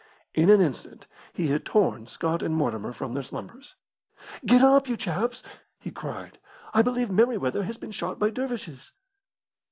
In an instant he had torn Scott and Mortimer from their slumbers. "Get up, you chaps!" he cried. "I believe Merryweather has been shot by dervishes."